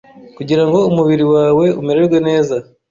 kugira ngo umubiri wawe umererwe neza